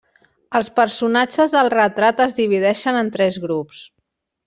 Els personatges del retrat es divideixen en tres grups.